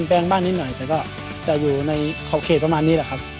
เราน่าจะหนาวเขาแล้วตอนนี้ครับ